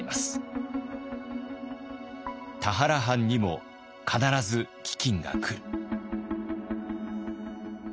田原藩にも必ず飢饉が来る。